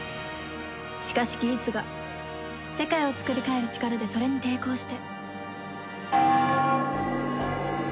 しかしギーツが世界をつくり変える力でそれに抵抗して